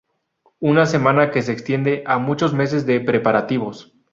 Una semana que se extiende a muchos meses de preparativos.